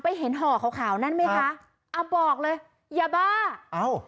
ไปเห็นห่อข่าวข่าวนั้นไหมคะครับอะบอกเลยอย่าบ้าอ้าว